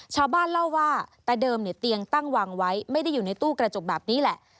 ชาวบ้านเล่าว่าแต่เดิมเนี่ยเตียงตั้งวางไว้ไม่ได้อยู่ในตู้กระจกแบบนี้แหละ